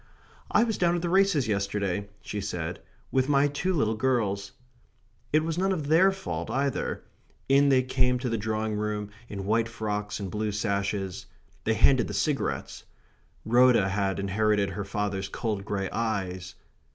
"I was down at the races yesterday," she said, "with my two little girls." It was none of THEIR fault either. In they came to the drawing room, in white frocks and blue sashes. They handed the cigarettes. Rhoda had inherited her father's cold grey eyes.